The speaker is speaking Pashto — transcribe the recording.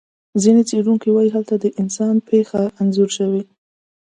ځینې څېړونکي وایي هلته د انسان پېښه انځور شوې.